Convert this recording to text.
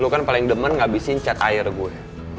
lu kan paling demen ngabisin cat air gue